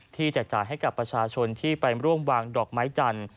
แจกจ่ายให้กับประชาชนที่ไปร่วมวางดอกไม้จันทร์